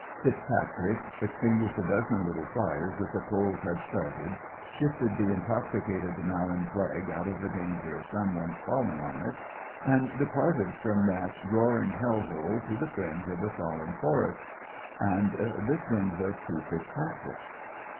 FitzPatrick extinguished a dozen little fires that the coals had started, shifted the intoxicated Mallan's leg out of the danger of someone's falling on it, and departed from that roaring hell hole to the fringe of the solemn forest. And this brings us to FitzPatrick.